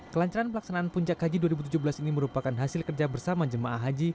kelancaran pelaksanaan puncak haji dua ribu tujuh belas ini merupakan hasil kerja bersama jemaah haji